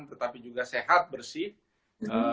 tetapi juga sehat untuk kita